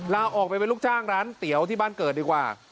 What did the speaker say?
ลาออกไปเป็นลูกจ้างร้านเตี๋ยวที่บ้านเกิดดีกว่า